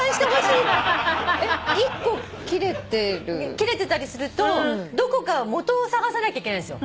切れてたりするとどこかもとを探さなきゃいけないんですよ。